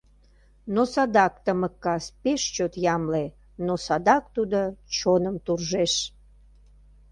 Но садак тымык кас пеш чот ямле, Но садак тудо чоным туржеш.